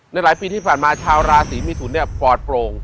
หลายปีที่ผ่านมาชาวราศีมิถุนปลอดโปร่ง